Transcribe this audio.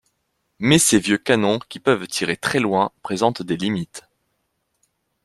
Mais ces vieux canons, qui peuvent tirer très loin, présentent des limites.